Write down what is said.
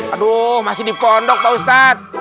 aduh masih di pondok pak ustadz